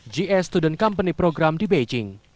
ga student company program di beijing